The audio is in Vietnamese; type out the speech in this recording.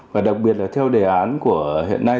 và đặc biệt là theo đề án của hiện nay